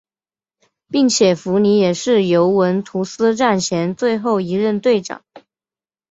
并且福尼也是尤文图斯战前最后一任队长。